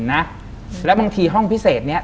คุณลุงกับคุณป้าสองคนนี้เป็นใคร